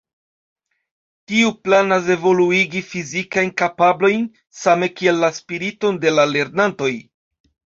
Tio planas evoluigi fizikajn kapablojn same kiel la spiriton de la lernantoj.